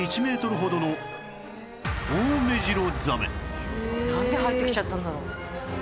こちらなんで入ってきちゃったんだろう？